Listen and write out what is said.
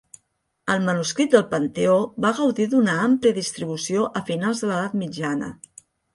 El manuscrit del Panteó va gaudir d'una àmplia distribució a finals de l'Edat Mitjana.